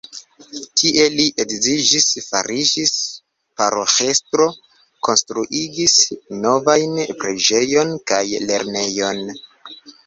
Tie li edziĝis, fariĝis paroĥestro, konstruigis novajn preĝejon kaj lernejon.